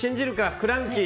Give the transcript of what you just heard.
クランキー。